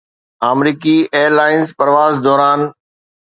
آمريڪي airlines پرواز دوران